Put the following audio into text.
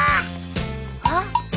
あっ！